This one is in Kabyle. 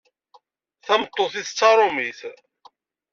Tameṭṭut-is d taṛumit.